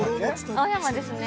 青山ですね。